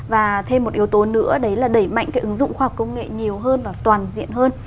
và thêm một yếu tố nữa đấy là đẩy mạnh cái ứng dụng khoa học công nghệ nhiều hơn và toàn diện hơn